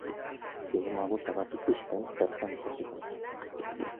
Zinema mota bat ikusten bertan ikasi genuen.